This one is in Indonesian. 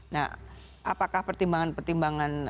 nah apakah pertimbangan pertimbangan